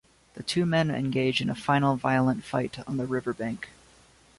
The two men engage in a final violent fight on the riverbank.